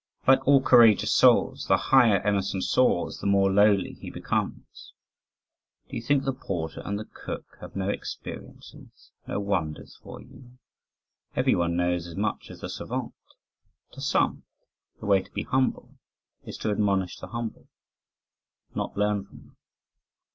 Like all courageous souls, the higher Emerson soars, the more lowly he becomes. "Do you think the porter and the cook have no experiences, no wonders for you? Everyone knows as much as the Savant." To some, the way to be humble is to admonish the humble, not learn from them.